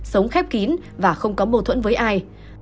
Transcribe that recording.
sống khép kín và không có mâu thuẫn với ai